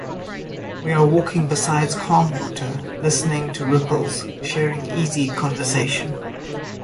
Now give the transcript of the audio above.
We are walking beside calm water, listening to ripples, sharing easy conversation.